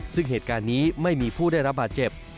ซึ่งเหตุการณ์นี้ไม่มีผู้ได้รับบาดเจ็บ